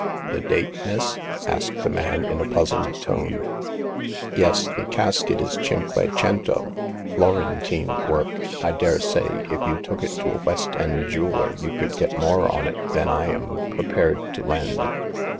" The date, miss ?" asked the man, in a puzzled tone. Yes ; the casket is Cinque Cento, Florentine 230 Hagar of the Pawn Shop. work. I dare say if you took it to a West end jeweler you could get more on it than I am pre pared to lend.